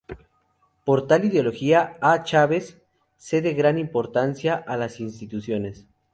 Por tal ideología, A. Chávez cede gran importancia a las intuiciones.